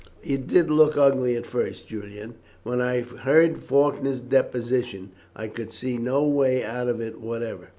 "It did look ugly at first, Julian. When I heard Faulkner's deposition I could see no way out of it whatever.